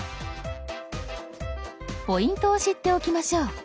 ポイントを知っておきましょう。